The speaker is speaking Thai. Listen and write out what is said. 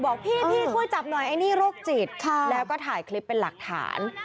บอกพี่ช่วยจับหน่อยไอ้นี่โรคจิตแล้วก็ถ่ายคลิปเป็นหลักฐาน